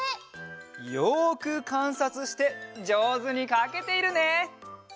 よくかんさつしてじょうずにかけているね！